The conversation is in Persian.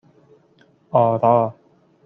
آرا